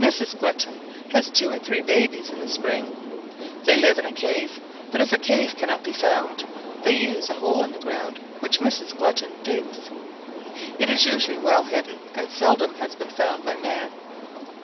"Mrs. Glutton has two or three babies in the spring. They live in a cave, but if a cave cannot be found, they use a hole in the ground which Mrs. Glutton digs. It is usually well hidden and seldom has been found by man.